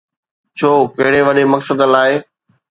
ڇو، ڪهڙي وڏي مقصد لاءِ؟